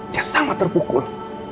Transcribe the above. dia sangat terpukul